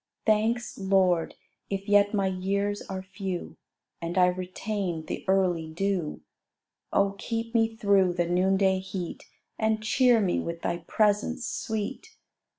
Thanks, Lord, if yet my years are few, And I retain the early dew: Oh, keep me through the noonday heat, And cheer me with Thy presence sweet.